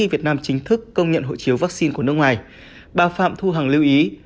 việt nam chính thức công nhận hộ chiếu vắc xin của nước ngoài bà phạm thu hằng lưu ý